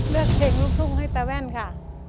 เลือกเพลงลูกทุ่งให้ตาแว่นค่ะ